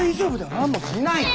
何もしないから！